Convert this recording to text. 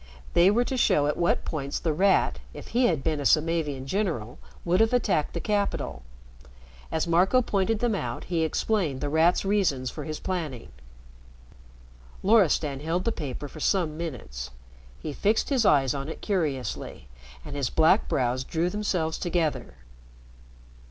They were to show at what points The Rat if he had been a Samavian general would have attacked the capital. As Marco pointed them out, he explained The Rat's reasons for his planning. Loristan held the paper for some minutes. He fixed his eyes on it curiously, and his black brows drew themselves together.